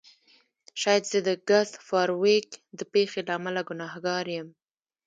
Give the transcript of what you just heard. شاید زه د ګس فارویک د پیښې له امله ګناهګار یم